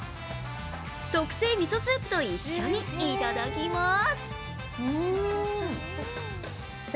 特製味噌スープと一緒にいただきます。